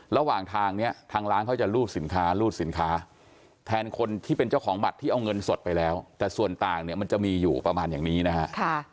ระหว่างทางเนี่ยทางร้านเขาจะรูดสินค้ารูดสินค้าแทนคนที่เป็นเจ้าของบัตรที่เอาเงินสดไปแล้วแต่ส่วนต่างเนี่ยมันจะมีอยู่ประมาณอย่างนี้นะฮะ